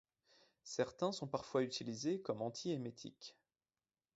Certains sont parfois utilisés comme antiémétiques.